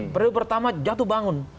pada pertama jatuh bangun